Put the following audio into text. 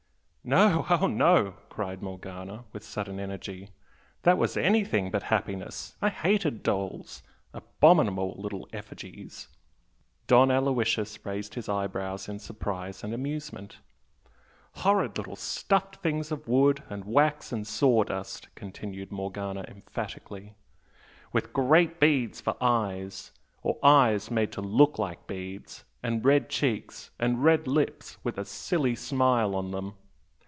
"No, oh no!" cried Morgana, with sudden energy "That was anything but happiness! I hated dolls! abominable little effigies!" Don Aloysius raised his eyebrows in surprise and amusement. "Horrid little stuffed things of wood and wax and saw dust!" continued Morgana, emphatically "With great beads for eyes or eyes made to look like beads and red cheeks, and red lips with a silly smile on them!